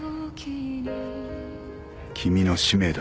君の使命だ。